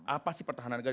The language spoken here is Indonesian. apa sih pertahanan negara